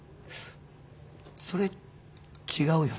それ違うよな？